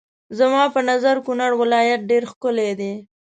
زما په نظر کونړ ولايت ډېر ښکلی دی.